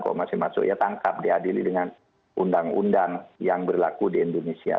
kalau masih masuk ya tangkap diadili dengan undang undang yang berlaku di indonesia